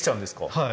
はい。